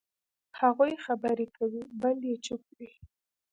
هغوی خبرې کوي، بل یې چوپ وي.